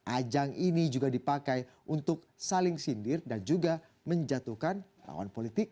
ajang ini juga dipakai untuk saling sindir dan juga menjatuhkan lawan politik